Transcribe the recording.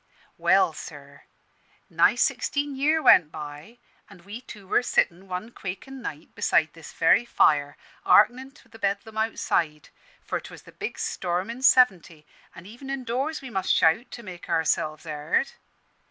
"Well, sir, nigh sixteen year' went by, an' we two were sittin', one quakin' night, beside this very fire, hearkenin' to the bedlam outside: for 'twas the big storm in 'Seventy, an' even indoors we must shout to make ourselves heard.